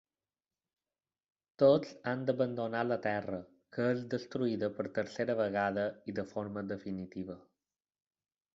Tots han d'abandonar la terra, que és destruïda per tercera vegada i de forma definitiva.